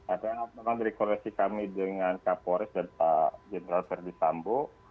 ada memang dari koresi kami dengan kapolres dan pak jendral ferdinand sambo